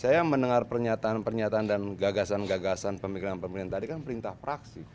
saya mendengar pernyataan pernyataan dan gagasan gagasan pemikiran pemikiran tadi kan perintah praksi